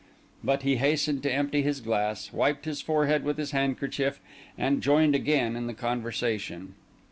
But he hastened to empty his glass, wiped his forehead with his handkerchief, and joined again in the conversation.